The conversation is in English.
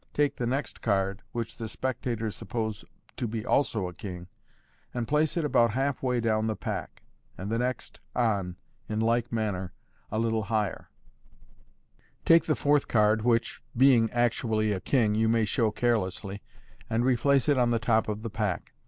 Take the next card, tvhich the spectators suppose to be also a king, and place it about Valf way do*n the pack, and the next, in like manner, a little higher, take the fourth card, which, being actually a king, you may show carelessly, and replace it on the top of the pack.